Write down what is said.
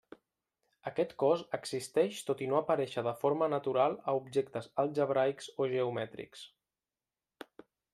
Aquest cos existeix tot i no aparèixer de forma natural a objectes algebraics o geomètrics.